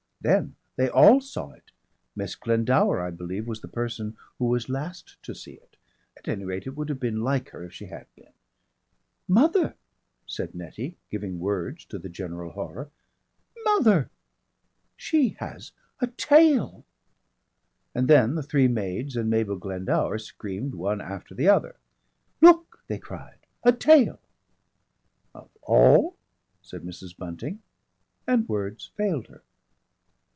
Then they all saw it! Miss Glendower, I believe, was the person who was last to see it. At any rate it would have been like her if she had been. "Mother," said Nettie, giving words to the general horror. "Mother! She has a tail!" And then the three maids and Mabel Glendower screamed one after the other. "Look!" they cried. "A tail!" "Of all " said Mrs. Bunting, and words failed her.